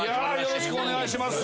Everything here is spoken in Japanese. よろしくお願いします。